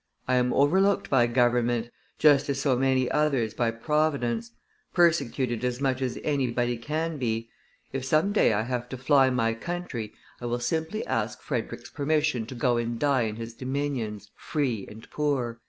I am overlooked by government, just as so many others by Providence; persecuted as much as anybody can be, if some day I have to fly my country, I will simply ask Frederick's permission to go and die in his dominions, free and poor."